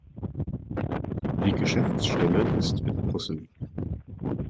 Die Geschäftsstelle ist in Brüssel.